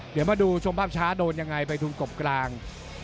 เดี๋ยวมาดูชมภาพช้าโดนยังไงไปทุนกบกลาง